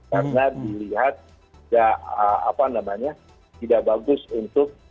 karena dilihat tidak bagus untuk